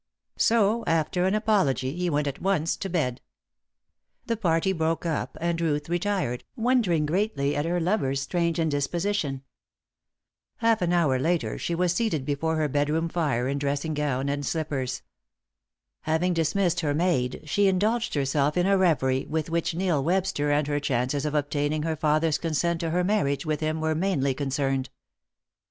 So, after an apology, he went at once to bed. The party broke up, and Ruth retired, wondering greatly at her lover's strange indisposition. Half an hour later she was seated before her bedroom fire in dressing gown and slippers. Having dismissed her maid, she indulged herself in a reverie with which Neil Webster and her chances of obtaining her father's consent to her marriage with him were mainly concerned.